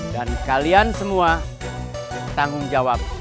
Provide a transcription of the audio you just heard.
dan kalian semua tanggung jawab saya